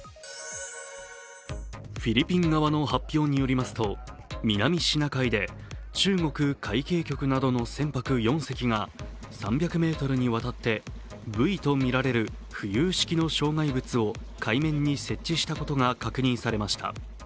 フィリピン側の発表によりますと南シナ海で中国海警局などの船舶４隻が３００ｍにわたってブイとみられる浮遊式の障害物を海面に設置したことが分かりました。